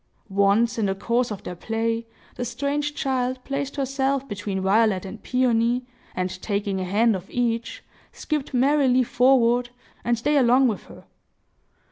Once, in the course of their play, the strange child placed herself between Violet and Peony, and taking a hand of each, skipped merrily forward, and they along with her.